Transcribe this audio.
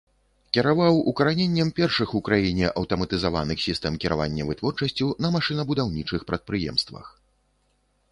Кіраваў укараненнем першых у краіне аўтаматызаваных сістэм кіравання вытворчасцю на машынабудаўнічых прадпрыемствах.